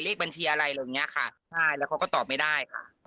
เลขบัญชีอะไรอะไรอย่างเงี้ยค่ะใช่แล้วเขาก็ตอบไม่ได้ค่ะ